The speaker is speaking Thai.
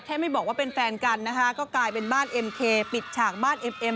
ไม่บอกว่าเป็นแฟนกันนะคะก็กลายเป็นบ้านเอ็มเคปิดฉากบ้านเอ็มเอ็ม